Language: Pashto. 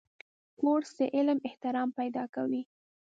کورس د علم احترام پیدا کوي.